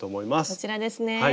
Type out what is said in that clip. こちらですね。